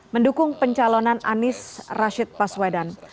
mendukung pencalonan anies rashid baswedan